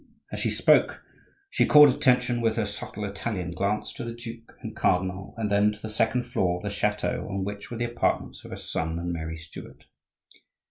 As she spoke, she called attention with her subtile Italian glance to the duke and cardinal, and then to the second floor of the chateau on which were the apartments of her son and Mary Stuart.